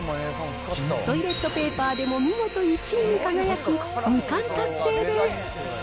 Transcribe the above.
トイレットペーパーでも見事１位に輝き、２冠達成です。